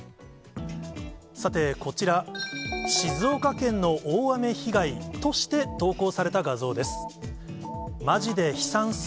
さて、こちら、静岡県の大雨被害として投稿された画像です。